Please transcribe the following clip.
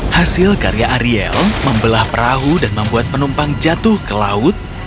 hasil karya ariel membelah perahu dan membuat penumpang jatuh ke laut